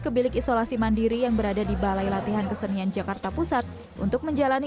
ke bilik isolasi mandiri yang berada di balai latihan kesenian jakarta pusat untuk menjalani